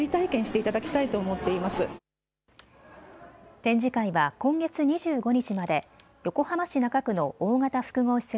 展示会は今月２５日まで、横浜市中区の大型複合施設